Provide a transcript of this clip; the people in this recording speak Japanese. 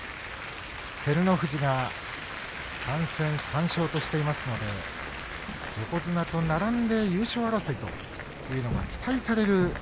照ノ富士が３戦３勝としていますので横綱と並んで優勝争いというのが期待される